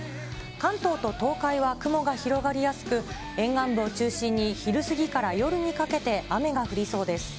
関東と東海は雲が広がりやすく、沿岸部を中心に、昼過ぎから夜にかけて雨が降りそうです。